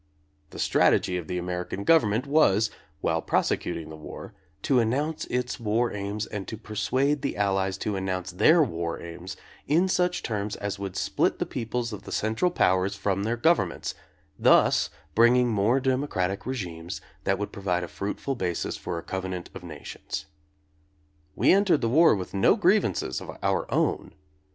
The strategy of the American government was, while prosecuting the war, to announce its war aims and to persuade the Allies to announce their war aims in such terms as would split the peoples of the Central Powers from their governments, thus bringing more demo cratic regimes that would provide a fruitful basis for a covenant of nations. We entered the war with no grievances of our own.